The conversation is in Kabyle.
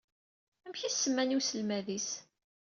Amek i s-semman i wselmad-is?